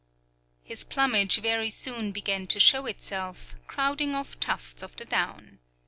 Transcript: His plumage very soon began to show itself, crowding off tufts of the down.